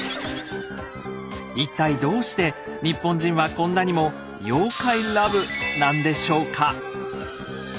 一体どうして日本人はこんなにも「妖怪ラブ」なんでしょうか？